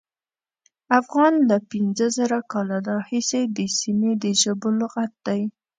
افغان له پینځه زره کاله راهیسې د سیمې د ژبو لغت دی.